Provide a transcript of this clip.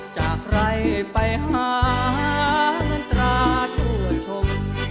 จากใครไปหามันตราช่วยชม